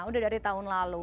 udah dari tahun lalu